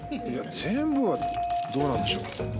全部はどうなんでしょう？